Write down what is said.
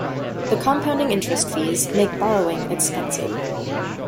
The compounding interest fees make borrowing expensive.